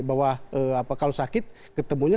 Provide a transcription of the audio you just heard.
bahwa kalau sakit ketemunya